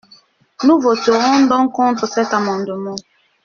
Nous voterons donc contre cet amendement.